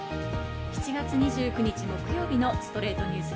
７月２９日、木曜日の『ストレイトニュース』。